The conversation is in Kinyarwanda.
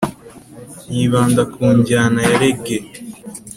yibanda ku njyana ya rege